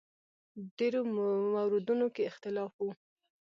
ډېرو موردونو کې اختلاف و.